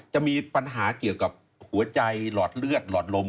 จะมีปัญหาเกี่ยวกับหัวใจหลอดเลือดหลอดลม